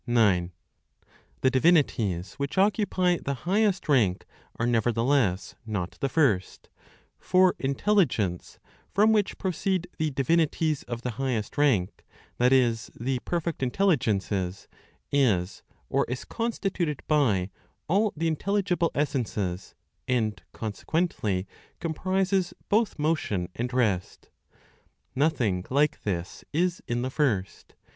9. The divinities which occupy the highest rank are nevertheless not the First; for Intelligence (from which proceed the divinities of the highest rank, that is, the perfect intelligences) is (or, is constituted by) all the intelligible essences, and, consequently, comprises both motion and rest. Nothing like this is in the First.